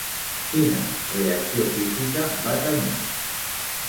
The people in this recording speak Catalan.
Quina reacció física va tenir?